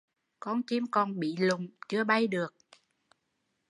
Con chim còn bí lụng, chưa bay được